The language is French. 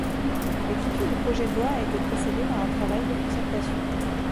L'écriture du projet de loi a été précédée par un travail de concertation.